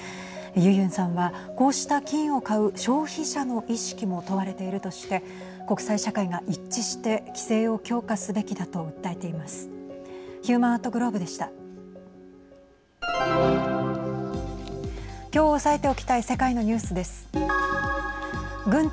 ユユンさんは、こうした金を買う消費者の意識も問われているとして国際社会が一致して規制を強化すべきだと訴えています。